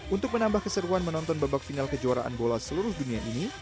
untuk menambah keseruan menonton babak final kejuaraan bola seluruh dunia ini